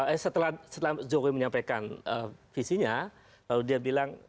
eh setelah jokowi menyampaikan visinya lalu dia bilang